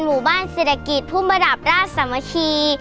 หมู่บ้านเศรษฐกิจภูมิระดับราชสามัคคี